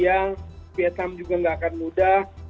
ya vietnam juga nggak akan mudah